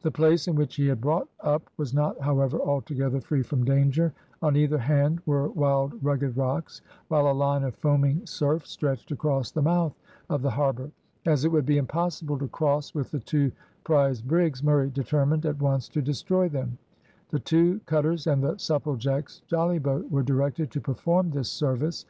The place in which he had brought up was not however altogether free from danger. On either hand were wild rugged rocks, while a line of foaming surf stretched across the mouth of the harbour. As it would be impossible to cross with the two prize brigs, Murray determined at once to destroy them. The two cutters and the Supplejack's jollyboat were directed to perform this service.